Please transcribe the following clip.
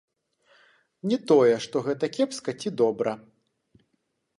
Не тое, што гэта кепска ці добра.